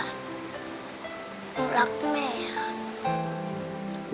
หนูรักแม่ค่ะ